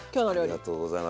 ありがとうございます。